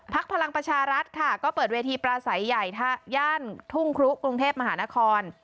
พลังประชารัฐค่ะก็เปิดเวทีปราศัยใหญ่ย่านทุ่งครุกรุงเทพมหานคร